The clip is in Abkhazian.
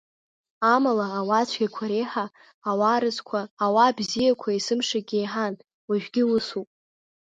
Амала, ауаа цәгьақәа реиҳа, ауаа разқәа, ауаа бзиақәа есымшагьы еиҳан, уажәгьы усоуп.